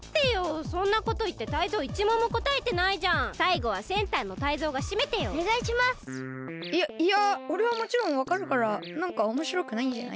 いやいやおれはもちろんわかるからなんかおもしろくないんじゃない？